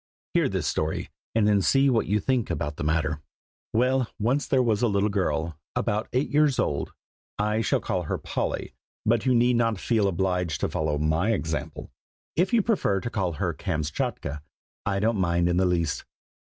Hear this story, and then see what you think about the matter. [Illustration: POLLY PEMBERTON.] "Well, once there was a little girl, about eight years old. I shall call her Polly, but you need not feel obliged to follow my example. If you prefer to call her Kamschatka, I don't mind in the least.